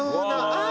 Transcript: あ！